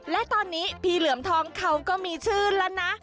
และตอนนี้พี่เหลือมทองเขาก็มีชื่อแล้วนะ